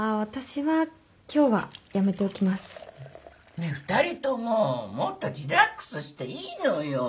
ねえ２人とももっとリラックスしていいのよ。